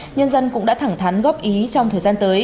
nhân dân cũng đã thẳng thắn góp ý trong thời gian tới